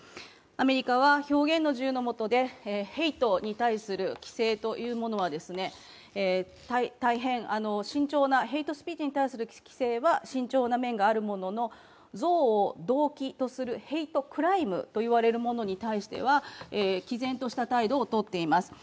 アメリカは表現の自由のもとで、ヘイトに対する規制というものはヘイトスピーチに対する規制は大変慎重なものがあるものの憎悪を動機とするヘイトクライムに対しては、毅然とした態度をとっています。